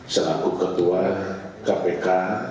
selaku ketua kpk